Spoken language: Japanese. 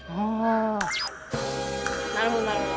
なるほどなるほど。